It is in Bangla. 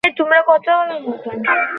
তার কাছে স্টার্ক টেকনোলজির ড্রোন আছে।